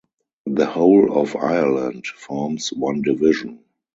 The whole of Ireland forms one Division.